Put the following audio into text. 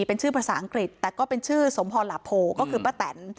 เป็นชื่อภาษาอังกฤษแต่ก็เป็นชื่อสมพรหลาโพก็คือป้าแตน